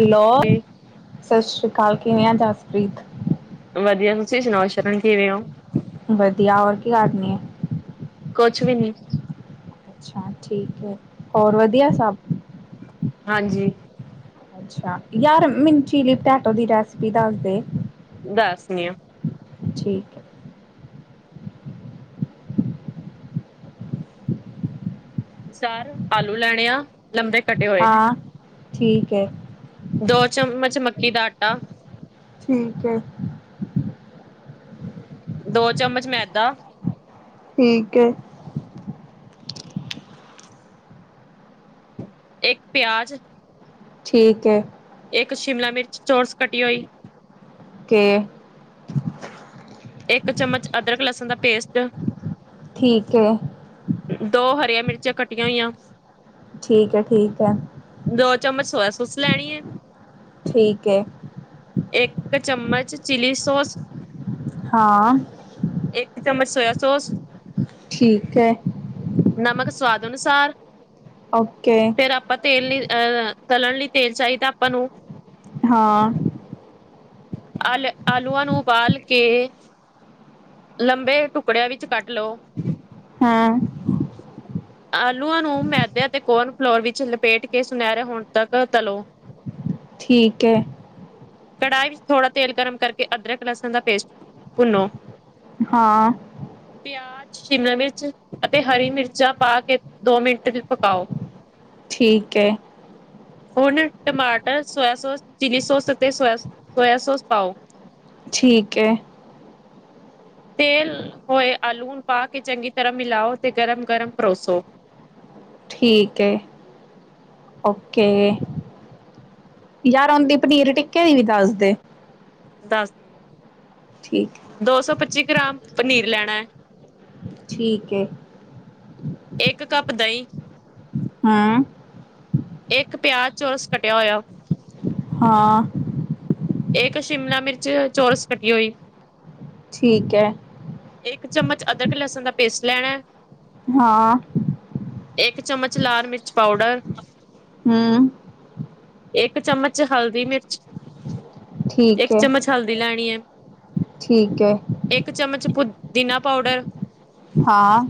Hello. ਸਤਿ ਸ੍ਰੀ ਅਕਾਲ ਕਿਵੇਂ ਆਂ ਜਸਪ੍ਰੀਤ? ਵਧੀਆ ਤੁਸੀ ਸੁਣਾਓ, ਸ਼ਰਨ ਕਿਵੇਂ ਔ? ਦੀਆ, ਹੋਰ ਕੀ ਕਰਦੀ ਐ ਕੁਛ ਵੀ ਨੀ ਅੱਛਾ ਠੀਕ ਹੈ ।ਹੋਰ ਵਧੀਆ ਸਭ? ਹਾਂਜੀ। ਅੱਛਾ। ਯਾਰ ਮਿਨ ਚੀਲੀ ਪਟੈਟੋ ਦੀ ਰੈਸਿਪੀ ਦੱਸ ਦੇ ਦੱਸਨੀ ਆਂ। ਠੀਕ ਐ। ਚਾਰ ਆਲੂ ਲੈਣੇ ਆ। ਲੰਬੇ ਕੱਟੇ ਹੋਏ ਕੇ ਦੋ ਚਮਚ ਮੱਕੀ ਦਾ ਆਟਾ। ਠੀਕ ਐ। ਦੋ ਚਮਚ ਮੈਦਾ ਠੀਕ ਐ। ਇੱਕ ਪਿਆਜ਼। ਠੀਕ ਐ। ਇੱਕ ਸ਼ਿਮਲਾ ਮਿਰਚ ਚੋਰਸ ਕਟੀ ਹੋਈ। ਓਕੇ। ਇੱਕ ਚਮਚ ਅਦਰਕ ਲਸਣ ਦਾ ਪੇਸਟ। ਠੀਕ ਹੈ ਦੋ ਹਰੀਆਂ ਮਿਰਚਾਂ ਕੱਟੀਆਂ ਹੋਈਆਂ। ਠੀਕ ਐ, ਠੀਕ ਐ। ਤੁਸੀ ਲੈਣੀ ਐ, ਠੀਕ ਹੈ ਇਕ ਚਮਚ ਚਿੱਲੀ ਸੋਸ ਹਾਂ। ਇਕ ਚਮਚ ਸੋਇਆ ਸੋਸ ਠੀਕ ਐ। ਨਮਕ ਸਵਾਦ ਅਨੁਸਾਰ ਓਕੇ ਫੇਰ ਆਪਾਂ ਤੇਲ ਲੇ ਅ ਤਲਣ ਲਈ ਤੇਲ ਚਾਹੀਦਾ ਆਪਾਂ ਨੂੰ ਹਾਂ। ਆਲੇ ਆਲੂਆਂ ਨੂੰ ਉਬਾਲ ਕੇ ਲੰਬੇ ਟੁਕੜਿਆਂ ਵਿੱਚ ਕੱਟ ਲੋ। [inaudible] ਆਲੂਆਂ ਨੂੰ ਮੈਦੇ ਅਤੇ ਕੋਰਨ ਫਲੋਰ ਵਿੱਚ ਲਪੇਟ ਕੇ ਸੁਨਹਿਰੇ ਹੋਣ ਤੱਕ ਤਲੋ। ਠੀਕ ਐ। ਕੜਾਹੀ ਵਿੱਚ ਥੋੜ੍ਹਾ ਤੇਲ ਗਰਮ ਕਰਕੇ ਅਦਰਕ ਲਸਣ ਦਾ ਪੇਸਟ ਭੁੰਨੋ। ਹਾਂ। ਪਿਆਜ਼, ਸ਼ਿਮਲਾਮਿਰਚ ਅਤੇ ਹਰੀ ਮਿਰਚਾਂ ਪਾ ਕੇ ਦੋ ਮਿੰਟ ਚ ਪਕਾਓ। ਠੀਕ ਐ। ਹੁਣ ਟਮਾਟਰ, ਸੋਇਆ ਸੋਸ, ਚਿਲੀ ਸੌਸ ਅਤੇ ਸੋਇਆ ਸੋਇਆ ਸੌਸ ਪਾਓ। ਠੀਕ ਐ। ਤੇਲ ਹੋਏ ਆਲੂਣ ਪਾ ਕੇ ਚੰਗੀ ਤਰ੍ਹਾਂ ਮਿਲਾਓ ਤੇ ਗਰਮ-ਗਰਮ ਪਰੋਸੋ। ਠੀਕ ਐ। ਓਕੇ ਯਾਰ ਆਉਂਦੀ ਪਨੀਰ ਟਿੱਕੇ ਦੀ ਵੀ ਦੱਸਦੇ। ਦੱਸਨੀ ਆਂ। ਠੀਕ। ਪੱਚੀ ਗ੍ਰਾਮ, ਪਨੀਰ ਲੈਣਾ ਹੈ। ਠੀਕ ਹੈ। ਇੱਕ ਕੱਪ ਦਹੀਂ ਹਾਂ ਇੱਕ ਪਿਆਜ਼ ਚੋਰਸ ਕਟਿਆ ਹੋਇਆ। ਹਾਂ। ਇੱਕ ਸ਼ਿਮਲਾ ਮਿਰਚ ਚੋਰਸ ਕੱਟੀ ਹੋਈ। ਠੀਕ ਹੈ। ਇੱਕ ਚਮਚ ਅਦਰਕ, ਲਸਣ ਦਾ ਪੇਸਟ ਲੈਣਾ। ਹਾਂ। ਇੱਕ ਚਮਚ ਲਾਲ- ਮਿਰਚ ਪਾਊਡਰ ਹਮ। ਇੱਕ ਚਮਚ ਹਲਦੀ ਮਿਰਚ, ਠੀਕ ਇੱਕ ਹੈ ਚਮਚ ਹਲਦੀ ਲੈਣੀ ਹੈ। ਠੀਕ ਹੈ ਇੱਕ ਚਮਚ ਪੁਦੀਨਾ ਪਾਊਡਰ। ਹਾਂ।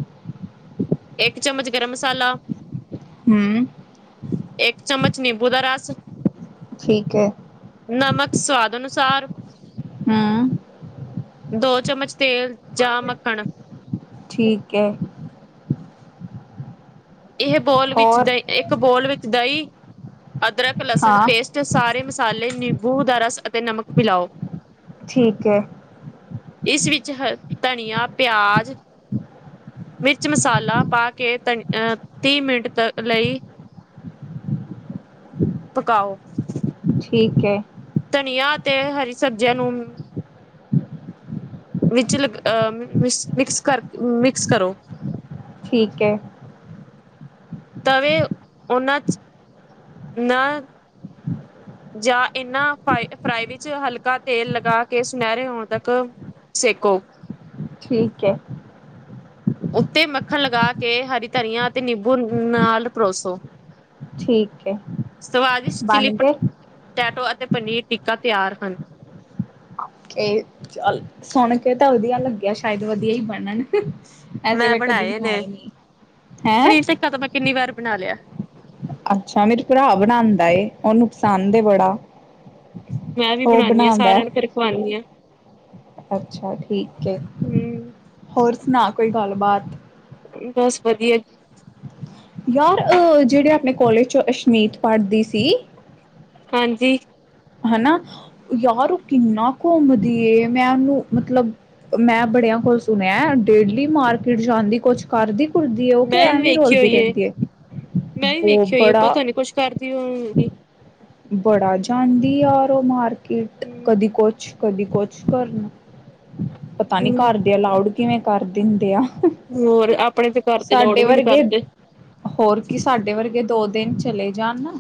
ਇੱਕ ਚਮਚ ਗਰਮ ਮਸਾਲਾ। ਹਮ। ਇੱਕ ਚਮਚ ਨਿੰਬੂ ਦਾ ਰਸ ਠੀਕ ਹੈ। ਨਮਕ ਸਵਾਦ ਅਨੁਸਾਰ ਹੂੰ ਦੋ ਚਮਚ ਤੇਲ ਜਾਂ ਮੱਖਣ ਠੀਕ ਹੈ। ਇਹ ਬੋਲ ਵਿੱਚ, ਹੋਰ ਦਹੀਂ ਇੱਕ ਬੋਲ ਵਿੱਚ ਦਹੀਂ, ਅਦਰਕ ਲਸਣ ਹਾਂ ਪੇਸਟ ਸਾਰੇ ਮਸਾਲੇ ਨਿੰਬੂ ਦਾ ਰਸ, ਅਤੇ ਨਮਕ ਮਿਲਾਓ। ਠੀਕ ਹੈ। ਇਸ ਵਿੱਚ ਹ ਧਨੀਆ, ਪਿਆਜ਼ ਮਿਰਚ ਮਸਾਲਾ ਪਾ ਕੇ, ਤ ਅਹ ਤੀਹ ਮਿੰਟ ਲਈ ਪਕਾਓ। ਠੀਕ ਹੈ। ਤੇ ਹਰੀ ਸਬਜ਼ੀਆਂ ਨੂੰ ਵਿੱਚ ਲ ਮ ਮਿਕਸ ਕਰ, ਮਿਕਸ ਕਰੋ। ਠੀਕ ਹੈ। ਤਵੇ, ਉਹਨਾਂ ਚ ਨਾ [inaudible] ਜਾਂ ਇਹਨਾਂ ਫ ਫਰਾਈ ਵਿੱਚ, ਹਲਕਾ ਤੇਲ ਲਗਾ ਕੇ ਸੁਨਹਿਰੇ ਹੋਣ ਤੱਕ ਸੇਕੋ। ਠੀਕ ਹੈ। ਉੱਤੇ ਮੱਖਣ, ਲਗਾ ਕੇ ਹਰੀ ਧਨੀਆ ਅਤੇ ਨਿੰਬੂ ਨਾਲ ਪਰੋਸੋ। ਠੀਕ ਹੈ ਸਵਾਦਿਸ਼ਟ ਚਿਲੀ ਬਣ ਗਏ ਪਟੈਟੋ ਤੇ ਪਨੀਰ ਟਿੱਕਾ ਤਿਆਰ ਹਨ। ਇਹ ਚੱਲ ਸੁਣ ਕੇ ਤਾਂ ਵਧੀਆ ਲੱਗਿਆ, ਸ਼ਾਇਦ ਵਧੀਆ ਹੀ ਬਣਨ। ਐਸੇ ਮੈਂ ਮੈ ਕਦੀ ਨੇ। ਬਣਾਏ ਨ੍ਹੀ, ਹੈਂ। ਪਨੀਰ ਟਿੱਕਾ ਤਾਂ ਮੈਂ ਕਿੰਨੀ ਵਾਰ ਬਣਾ ਲਿਆ। ਅੱਛਾ, ਮੇਰੇ ਭਰਾ ਬਣਾਉਂਦਾ ਏ ਓਹਨੂੰ ਪਸੰਦ ਏ ਬੜਾ ਮੈਂ ਵੀ ਉਹ ਬਣਾਉਦੀ ਹਾਂ ਬਣਾਂਦਾ ।ਸਾਰਿਆਂ ਨੂੰ ਫਿਰ ਖਵਾਉਂਦੀ ਹਾਂ। ਅੱਛਾ ਠੀਕ ਹੈ, ਹੋਰ ਸੁਣਾ ਕੋਈ ਗੱਲਬਾਤ। ਬਸ ਵਧੀਆ ਕਾਲਜ ਚੋਂ ਅਸ਼ਮੀਤ ਪੜ੍ਹਦੀ ਸੀ। ਹਾਂਜੀ। ਹਨਾ ਯਾਰ ਉਹ ਕਿੰਨਾ ਘੁੰਮਦੀ ਏ, ਮੈਂ ਉਹਨੂੰ ਮਤਲਬ ਮੈਂ ਬੜਿਆਂ ਕੋਲ ਸੁਣਿਆ, ਡੇਲੀ ਮਾਰਕੀਟ ਜਾਂਦੀ ਕੁਛ ਕਰਦੀ ਕੁਰਦੀ ਏ ਉਹ ਕਿ ਮੈਂ ਵੀ ਐਵੇਂ ਵੇਖੀ ਰੋਲਦੀ ਹੋਈ ਏ, ਰਹਿੰਦੀ ਮੈਂ ਵੀ ਬਹੁ ਵੇਖੀ ਹੋਈ ਏ, ਬੜਾ ਪਤਾ ਨੀ ਕੁੱਛ ਕਰ ਦੀ ਹੋਏਗੀ। ਬੜਾ ਜਾਂਦੀ ਆ ਯਾਰ ਮਾਰਕੀਟ, ਹੂੰ। ਕਦੀ ਕੁਛ ਕਦੀ ਕੁਛ ਕਰਨਾ, ਪਤਾ ਨੀ ਹੂੰ ਘਰਦੇ ਅਲਾਊਡ ਕਿਵੇਂ ਕਰ ਦਿੰਦੇ ਆ। ਹੋਰ ਆਪ ਸਾਡੇ ਵਰਗੇ ਹੋਰ ਕੀ ਸਾਡੇ ਵਰਗੇ ਦੋ ਦਿਨ ਚਲੇ ਜਾਣ ਨਾ,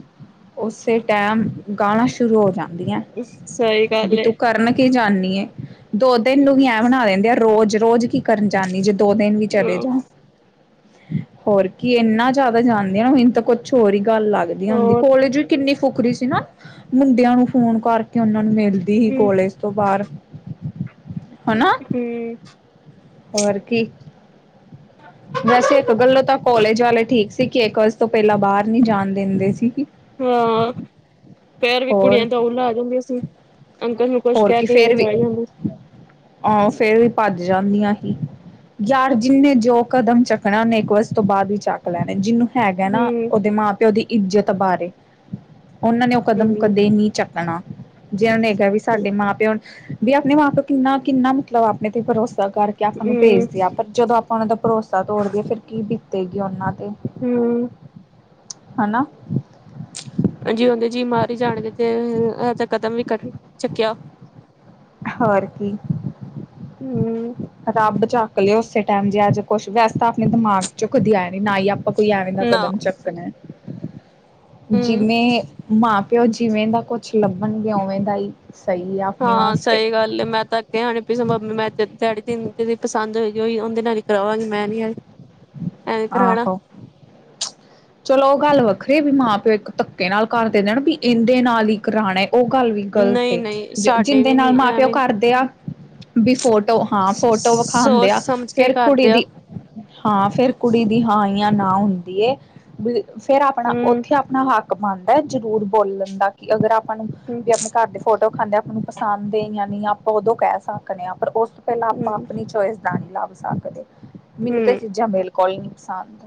ਉਸੇ ਟਾਈਮ ਗਾਲਾਂ ਸ਼ੁਰੂ ਹੋ ਜਾਣ। ਸਹੀ ਵੀ ਗੱਲ ਏ। ਤੂੰ ਕਰਨ ਕੀ ਜਾਂਨੀ ਦੋ ਦਿਨ ਨੂੰ ਵੀ ਐ ਬਣਾ ਦਿੰਦੇ ਆ, ਰੋਜ਼- ਰੋਜ਼ ਕੀ ਕਰਨ ਜਾਂਦੀ ਜੇ ਦੋ ਦਿਨ ਵੀ ਹਾਂ ਚਲੇ ਜਾਓ। ਹੋਰ ਕੀ ਇੰਨਾ ਜ਼ਿਆਦਾ ਜਾਣਦੇ ਆ, ਨਾ ਮੈਨੂੰ ਤਾਂ ਕੁਛ ਹੋਰ ਈ ਗੱਲ ਲੱਗਦੀ ਹੁੰਦੀ, ਹੋਰ ਕੋਲਜ ਵੀ ਕਿੰਨੀ ਫੁਕਰੀ ਸੀ ਨਾ ਮੁੰਡਿਆਂ ਨੂੰ ਫੋਨ ਕਰਕੇ ਉਹਨਾਂ ਨੂੰ ਮਿਲਦੀ ਹੀ ਹੂੰ ਕੋਲੇਜ ਤੋਂ ਬਾਹਰ ਹਨਾ ਹੂੰ, ਹੋਰ ਕੀ? ਵੈਸੇ ਇੱਕ ਗੱਲੋਂ ਤਾਂ ਕੋਲੇਜ ਵਾਲੇ ਠੀਕ ਸੀ, ਕਿ ਇੱਕ ਵਜੇ ਤੋਂ ਪਹਿਲਾਂ ਬਾਹਰ ਨਹੀ ਜਾਣ ਦਿੰਦੇ ਸੀ। ਹਾਂ, ਫੇਰ ਵੀ ਹੋਰ ਕੁੜੀਆਂ ਦਊ ਲਾ ਜਾਂਦੀਆਂ ਸੀ। ਅੰਕਲ ਨੂੰ ਕੁਛ ਹੋਰ ਕਹਿ ਕੀ, ਕੇ ਫੇਰ ਵੀ ਚਲੇ ਜਾਂਦੇ। ਆਹ ਫੇਰ ਵੀ ਭੱਜ ਜਾਂਦੀਆਂ। ਯਾਰ ਜਿੰਨੇ ਜੋ ਕਦਮ ਚੱਕਣਾ ਉਹਨੇ ਇੱਕ ਵਜੇ ਤੋਂ ਬਾਅਦ ਵੀ ਚੱਕ ਲੈਣਾ, ਜਿਹਨੂੰ ਹੈਗਾ ਨਾ ਹੂੰ ਉਹਦੇ ਮਾਂ -ਪਿਓ ਦੀ ਇੱਜ਼ਤ ਬਾਰੇ ਉਹਨਾਂ ਨੇ ਉਹ ਕਦਮ ਹੂੰ ਕਦੇ ਨਹੀਂ ਚੱਕਣਾ, ਜੇ ਉਹਨਾਂ ਨੇ ਇਹ ਕਿਹਾ ਵੀ ਸਾਡੇ ਮਾਂ -ਪਿਓ ਵੀ ਆਪਣੇ ਮਾਂ-ਪਿਉ ਕਿੰਨਾ- ਕਿੰਨਾ ਮਤਲਬ ਆਪਣੇ ਤੇ ਭਰੋਸਾ ਭਰੋਸਾ ਕਰਕੇ ਆਪਾਂ ਨੂੰ ਹੂੰ ਭੇਜਦੇ ਆ, ਪਰ ਜਦੋਂ ਆਪਾਂ ਉਹਨਾਂ ਦਾ ਭਰੋਸਾ ਤੋੜ ਦੇਈਏ ਫਿਰ ਕੀ ਬੀਤੇਗੀ ਉਹਨਾਂ ਤੇ। ਹੂੰ, ਹਨਾ। ਹਾਂਜੀ ਜਿਉਂਦੇ ਜੀ ਮਰ ਹੀ ਜਾਣਗੇ, ਤੇ ਇਹੋ ਜਾ ਕਦਮ ਵੀ ਕੱ ਚੱਕਿਆ। ਹੋਰ ਕੀ? ਹੂੰ ਰੱਬ ਚੱਕ ਲਏ ਉਸੇ ਟਾਈਮ ਜੇ ਅੱਜ ਕੁਛ ਵੈਸ ਤਾਂ ਆਪਣੇ ਦਿਮਾਗ ਚੋਂ ਕਦੀ ਆਏ ਨੀ, ਨਾ ਆਪਾਂ ਕੋਈ ਐਵੇਂ ਦਾ ਨਾ ਕਦਮ ਚੱਕਣਾ। ਹੂੰ ਜਿਵੇਂ ਮਾਂ ਪਿਓ ਜਿਵੇਂ ਦਾ ਕੁਛ ਲੱਭਣਗੇ, ਉਵੇਂ ਦਾ ਹੀ ਸਹੀ ਆ ਆਪਣੇ ਹਾਂ ਵਾਸਤੇ। ਸਹੀ ਗੱਲ ਮੈਂ ਤਾਂ ਅੱਗੇ ਆਣੇ ਮੈਂ ਦਿਹਾੜੀ ਦਿਨ ਦੀ ਪਸੰਦ ਹੋੋਏਗੀ ਉਹਦੇ ਨਾਲ ਹੀ ਕਰਾਵਾਂਗੀ ਮੈਂ ਨੀ ਐ। ਐਂਵੇਂ ਕਰਾਣਾ। ਆਹੋ ਚਲੋ ਉਹ ਗੱਲ ਵੱਖਰੀ ਐ ਵੀ ਮਾਂ- ਪਿਓ ਇੱਕ ਧੱਕੇ ਨਾਲ ਕਰ ਦੇਣ ਵੀ ਇਹਦੇ ਨਾਲ ਹੀ ਕਰਾਣੇ। ਉਹ ਗੱਲ ਵੀ ਗ਼ਲਤ ਨਹੀਂ ਏ, ਨਹੀਂ ਜਿ ਸਾਡੇ ਜਿੰਦੇ ਵੀ ਨਾਲ ਨੀ ਮਾਂ ਪਿਓ ਐਵੇਂ ਕਰਦੇ ਆ ਵੀ ਫੋਟੋ ਹਾਂ, ਫੋਟੋ ਵਿਖਾਂਦੇ ਸੋਚ ਆ ਸਮਝ ਕੇ ਫੇਰ ਕੁੜੀ ਕਰਦੇ ਆ ਦੀ। ਹਾਂ ਫੇਰ ਕੁੜੀ ਦੀ ਹਾਂ ਜਾਂ ਨਾ ਹੁੰਦੀ ਏ ਵੀ ਫੇਰ ਆਪਣਾ ਹੂੰ ਉੱਥੇ ਆਪਣਾ ਹੱਕ ਬਣਦਾ ਜ਼ਰੂਰ ਬੋਲਣ ਦਾ ਕਿ ਅਗਰ ਆ ਆਪਾਂ ਨੂੰ ਹੂੰ ਵੀ ਆਪਣੇ ਘਰ ਦੇ ਫੋਟੋ ਦਿਖਾਂਦੇ, ਆਪਾਂ ਨੂੰ ਪਸੰਦ ਨਹੀਂ ਆਪਾਂ ਉਦੋਂ ਕਹਿ ਸਕਦੇ ਆਂ। ਪਰ ਉਸ ਤੋਂ ਪਹਿਲਾਂ ਆਪਾਂ ਹੂੰ ਆਪਣੀ ਚੋਇਸ ਦਾ ਨਹੀਂ ਲੱਭ ਸਕਦੇ, ਮੈਨੂੰ ਤਾਂ ਇਹ ਹੂੰ ਚੀਜ਼ਾਂ ਬਿਲ ਕੋਈ ਨੀ ਪਸੰਦ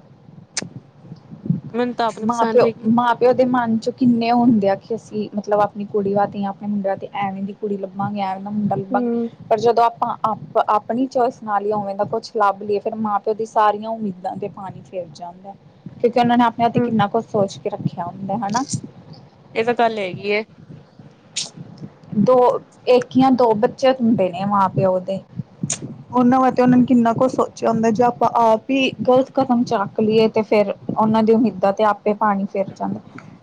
ਮੈਨੂੰ ਤਾਂ ਆਪ ਨੂੰ ਮਾਂ- ਪਸੰਦ ਪਿਓ, ਹੈਗੀ ਮਾਂ -ਪਿਓ ਦੇ ਮਨ ਚ ਕਿੰਨੇ ਉਹ ਹੁੰਦੇ ਆ ਕਿ ਅਸੀਂ ਮਤਲਬ ਆਪਣੀ ਕੁੜੀਆਂ ਧੀਆਂ ਆਪਣੇ ਮੁੰਡਿਆਂ ਤੇ ਐਵੇਂ ਦੀ ਕੁੜੀ ਲੱਭਾਂਗੇ, ਐਵੇ ਦਾ ਮੁੰਡਾ ਲੱਭਾਂਗੇ ਹੂੰ ਪਰ ਜਦੋਂ ਆਪਾਂ ਆਪ ਆਪਣੀ ਚੋਇਸ ਨਾਲ ਹੀ ਉਵੇਂ ਦਾ ਕੁਛ ਲੱਭ ਲਈਏ ਫਿਰ, ਮਾਂ ਪਿ ਉਹਦੀ ਸਾਰੀਆਂ ਉਮੀਦਾਂ ਤੇ ਪਾਣੀ ਫਿਰ ਜਾਂਦਾ। ਉਹਨਾਂ ਨੇ ਆਪਣੇ ਵਾਸਤੇ ਹੂੰ ਕਿੰਨਾ ਕੁਛ ਸੋਚ ਕੇ ਰੱਖਿਆ ਹੁੰਦਾ ਹਨਾ। ਇਹ ਤਾਂ ਗੱਲ ਹੈਗੀ ਹੈ ਦੋ ਇੱਕ ਜਾਂ ਦੋ ਬੱਚੇ ਹੁੰਦੇ ਨੇ ਮਾਂ -ਪਿਓ ਦੇ। ਉਹਨਾਂ ਵਾਸਤੇ ਉਹਨਾਂ ਨੇ ਕਿੰਨਾ ਕੁਛ ਸੋਚਿਆ ਹੁੰਦਾ ਜਾ ਵੀ ਗ਼ਲਤ ਕਦਮ ਚਕ ਲਈਏ ਤੇ ਫੇਰ, ਉਹਨਾਂ ਦੀ ਉਮੀਦਾਂ ਤੇ ਆ ਪਾਨੀ ਫਿਰ ਜਾਂਦੇ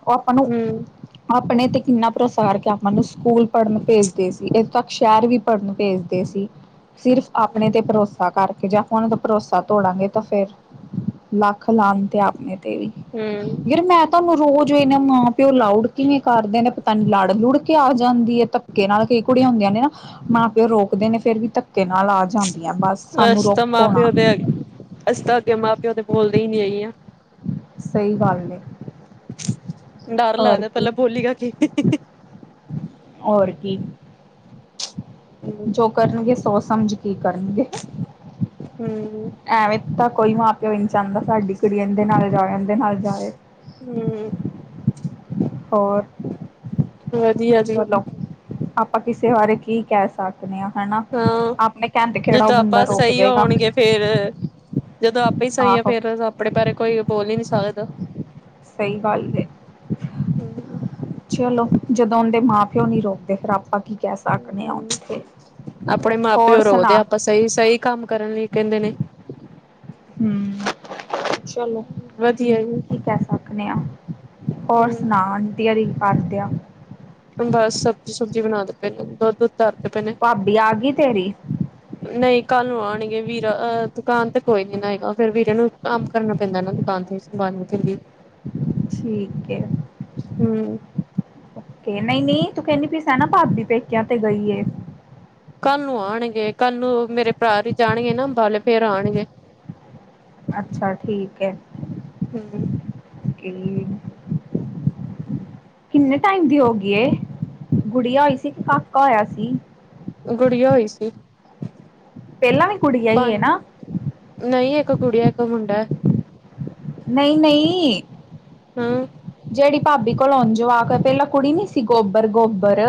ਉਹ ਆਪਾਂ ਨੂੰ ਹੂੰ ਆਪਣੇ ਕਿੰਨਾ ਭਰੋਸਾ ਕਾਰਕੇ ਆਪਾਂ ਨੂੰ ਸਕੂਲ ਪੜ੍ਹਨ ਭੇਜਦੇ ਸੀ। ਇਥੋਂ ਤੱਕ ਸ਼ਹਿਰ ਵੀ ੜ ਨੂੰ ਭੇਜਦੇ ਸੀ ਸਿਰਫ਼ ਆਪਣੇ ਤੇ ਹੂੰ ਭਰੋਸਾ ਕਰਕੇ ਜਾਂ ਆਪਾਂ ਉਹਨਾਂ ਦਾ ਭਰੋਸਾ ਗੇ ਤਾਂ ਫੇਰ ਲੱਖ ਲਾਹਨਤ ਤੇ ਆਪਣੇ ਤੇ। ਤੇ ਹੂੰ ਯਾਰ ਮੈਂ ਤੁਹਾਨੂੰ ਰੋਜ਼ ਇਹਨਾਂ ਮਾਂ ਪਿਓ ਲਾਉਡ ਕਿਵੇਂ ਕਰਦੇ ਨੇ ਪਤਾ ਨੀ ਲੜ ਲੁੜ ਕੇ ਆ ਜਾਂਦੀ ਏ, ਧੱਕੇ ਨਾਲ ਕਈ ਕੁੜੀਆਂ ਹੁੰਦੀਆਂ ਨੇ ਨਾ ਮਾਂ ਪਿਓ ਰੋਕ ਰੁਕਦੇ ਨੇ ਫੇਰ ਵੀ ਧੱਕੇ ਨਾਲ ਆ ਜਾਂਦੀਆਂ ਬਸ ਸਾਨੂੰ ਰੋਕੋ ਨਾ। ਅਸੀ ਤਾਂ ਅਗੇ ਮਾਂ-ਪਿਓ ਦੇ ਬੋਲਦੇ ਹੀ ਨਹੀਂ ਹੈਗੇ ਆਂ। ਸਹੀ ਗੱਲ ਏ ਡਰ ਹੋਰ ਲੱਗਦਾ ਕੀ ਪਹਿਲਾਂ ਬੋਲੇਗਾ ਕੀ? ਹੋਰ ਕੀ ਜੋ ਕਰਨਗੇ, ਸੋਚ ਸਮਝ ਕੇ ਈ ਕਰਨਗੇ। ਹੂੰ ਐਵੇਂ ਤਾਂ ਕੋਈ ਮਾਂ ਪਿਓ ਈ ਨਹੀਂ ਚਾਹਂਦਾ ਸਾਡੀ ਕੁੜੀ ਇਹਂਦੇ ਨਾਲ ਜਾਏ ਇਹਂਦੇ ਨਾਲ ਜਾਏ। ਹੁੰ। ਹੋਰ? ਵਧੀਆ ਜੀ ਚਲੋ ਆਪਾਂ ਕਿਸੇ ਬਾਰੇ ਕੀ ਕਹਿ ਸਕ ਹਾਂ, ਉਹ ਜਦੋਂ ਬੰਦਾ ਆਪਾਂ ਰੋਕ ਸਹੀ ਜਾਏਗਾ ਹੋਣਗੇ ਫੇਰ ਜਦੋਂ ਆਪੇ ਹੀ ਸਹੀ ਆ ਆਹੋ ਫੇਰ ਆਪਣੇ ਬਾਰੇ ਕੋਈ ਬੋਲ ਹੀ ਨਹੀਂ ਸਕਦਾ। ਸਹੀ ਗੱਲ ਐ, ਚਲੋ ਜਦੋਂ ਉਂਦੇ ਮਾਂ ਪ ਕਿਉਂ ਨਹੀਂ ਰੋਕਦੇ ਫੇਰ ਆਪਾਂ ਕੀ ਕਹਿ ਸਕਨੇ ਆ ਉੱਥੇ। ਆਪਣੇ ਮਾਂ ਹੋਰ ਪਿਓ ਰੋਕਦੇ ਸੁਣਾ ਆਪਾਂ ਸਹੀ ਸਹੀ ਕੰਮ ਕਰਨ ਲਈ ਕਹਿੰਦੇ ਨੇ। ਹੁੰ, ਚਲੋ। ਵਧੀਆ ਜੀ ਕੀ ਕਹਿ ਸਕਨੇ ਆ, ਹੋਰ ਸੁਣਾ ਹੂੰ ਆਂਟੀ ੳਰੀ ਕੀ ਕਰਦਿਆਂ? ਬਸ ਸਬਜ਼ੀ ਸੁਬਜ਼ੀ ਬਣਾ ਦ ਪਏ ਨੇ ਦੁੱਧ ਕਰਦੇ ਪਏ ਨੇ, ਭਾਬੀ ਆ ਗਈ ਤੇਰੀ ਨਹੀਂ ਕੱਲ ਨੂੰ ਆਨਗੇ ਵੀਰ। ਹ ਦੁਕਾਨ ਤੇ ਕੋਈ ਨੀ ਨਾ ਹੇਗਾ ਫੇਰ ਵੀ ਵੀਰੇ ਨੂੰ ਕੰਮ ਕਰਨਾ ਪੈਂਦਾ ਨਾ ਦੁਕਾਨ ਤੇ ਸੰਭਾਲਣੀ ਪੈਂਦੀ ਠੀਕ ਏ। ਹੂੰ ਨਹੀਂ ਨਹੀਂ ਤੂੰ ਕਹਿੰਨੀ ਪਈ ਸੇ ਨਾ ਭਾਬੀ ਪੇਕਿਆਂ ਤੇ ਗਈ ਏ। ਕੱਲ ਨੂੰ ਆਣਗੇ ਕੱਲ ਨੂੰ ਮੇਰੇ ਭਰਾ ਹੀ ਜਾਣਗੇ ਨਾ ਅੰਬਾਲੇ ਫੇਰ ਆਣਗੇ। ਓ ਕੇ ਹੂੰ ਕਿੰਨੇ ਟਾਈਮ ਦੀ ਹੋ ਗੀ ਏ, ਗੁੜੀਆ ਹੋਈ ਸੀ ਕਿ ਕਾਕਾ ਹੋਇਆ ਸੀ? ਗੁੜੀਆ ਹੋਈ ਸੀ। ਪਹਿਲਾਂ ਵੀ ਗੁੜੀਆ ਹੀ ਹੈ ਨਾ? ਨਹੀਂ ਇੱਕ ਕੁੜੀ ਇੱਕ ਮੁੰਡਾ ਐ। ਨਹੀਂ, ਨਹੀਂ। ਹੁੰ। ਤੇਰੀ ਭਾਬੀ ਕੋਲੋਂ ਹੋੰਨ ਜਵਾਕ ਪਹਿਲਾਂ ਕੁੜੀ ਨੀ ਸੀ ਗੋ ਪਰ ਗੋਬਰ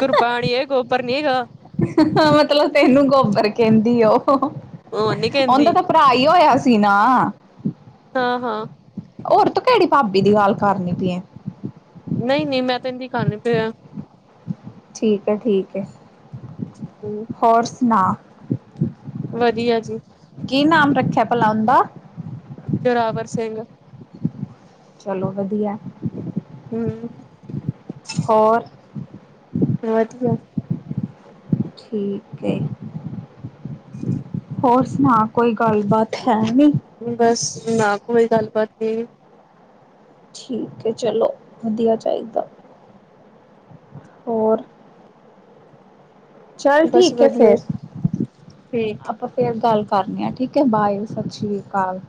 ਗੁਰਬਾਣੀ ਏ ਗੋਬਰ ਨੀ ਹੈਗਾ ਹੇ, ਮਤਲਬ ਤੈਨੂੰ ਗੋਬਰ ਕਹਿੰਦੀ ਉਹ ਉਹ ਨੀ ਔਂਦਾ ਕਹਿੰਦੀ ਤਾਂ ਭਰਾ ਹੋਇਆ ਸੀ ਨਾ। ਹਾਂ-ਹਾਂ। ਔਰ ਤੂੰ ਕਿਹੜੀ ਭਾਬੀ ਦੀ ਗੱਲ ਕਰਨੀ ਪਈ ਐ? ' [unintelligible] ' ਨੀ ਪਿਆ। ਠੀਕ ਹੈ, ਠੀਕ ਹੈ। ਹੂੰ, ਹੋਰ ਸੁਣਾ ਵਧੀਆ ਜੀ। ਕੀ ਨਾਮ ਰੱਖਿਆ ਭਲਾ ਉਹਦਾ? ਜੋੋਰਾਵਰ ਸਿੰਘ। ਚਲੋ ਵਧੀਆ ਏ। ਹੂੰ। ਹੋਰ? ਵਧੀਆ। ਠੀਕ ਏ। ਹੋਰ ਸੁਣਾ? ਕੋਈ ਗੱਲਬਾਤ ਹੈ ਨਈ। ਬਸ ਨਾ ਕੋਈ ਗੱਲਬਾਤ ਨੀ, ਠੀਕ ਐ, ਚਲੋ ਵਧੀਆ ਚਾਹੀਦਾ। ਹੋਰ? ਚੱਲ ਬਸ ਠੀਕ ਹੈ, ਵਧੀਆ ਫਿਰ ਠੀਕ ਆਪਾਂ ਫੇਰ ਗੱਲ ਕਰਨੀ ਆ ਠੀਕ ਐ, ਬਾਏ ਸਤਿ ਸ੍ਰੀ ਅਕਾਲ